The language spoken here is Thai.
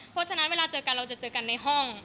เพราะฉะนั้นเวลาเจอกันเราจะเจอกันในห้อง